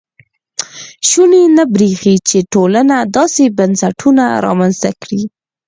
شونې نه برېښي چې ټولنه داسې بنسټونه رامنځته کړي.